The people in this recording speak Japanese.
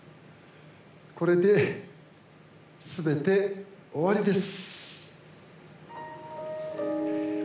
これで、すべて終わりです。